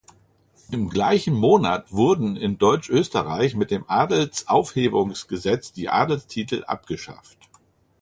Im gleichen Monat wurden in Deutschösterreich mit dem Adelsaufhebungsgesetz die Adelstitel abgeschafft.